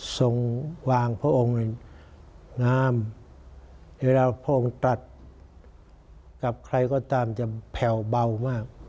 วางพระองค์งามเวลาพระองค์ตรัสกับใครก็ตามจะแผ่วเบามาก